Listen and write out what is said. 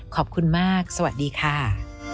ขอบคุณมากสวัสดีค่ะ